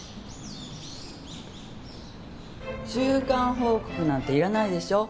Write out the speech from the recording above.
中間報告なんていらないでしょ？